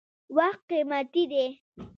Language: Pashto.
• وخت قیمتي دی.